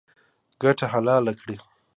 ګټه حلاله کړئ